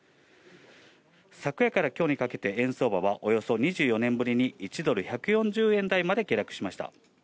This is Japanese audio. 昨夜から今日にかけて円相場はおよそ２４年ぶりに一時１ドル＝１４０円台まで下落しました。